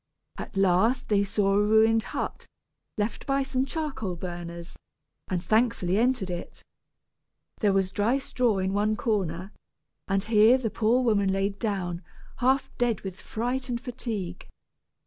At last they saw a ruined hut, left by some charcoal burners, and thankfully entered it. There was dry straw in one corner, and here the poor woman laid down, half dead with fright and fatigue.